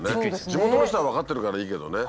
地元の人は分かってるからいいけどね。